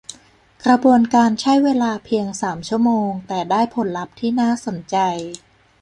กระบวนการใช่เวลาเพียง สาม ชั่วโมง แต่ได้ผลลัพธ์ที่น่าสนใจ